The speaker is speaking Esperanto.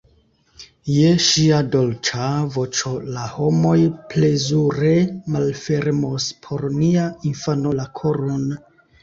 Je ŝia dolĉa voĉo la homoj plezure malfermos por nia infano la koron.